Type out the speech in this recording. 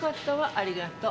ありがとう。